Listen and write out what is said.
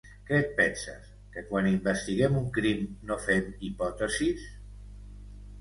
Què et penses, que quan investiguem un crim no fem hipòtesis?